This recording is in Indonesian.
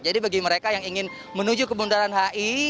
jadi bagi mereka yang ingin menuju ke bundaran hi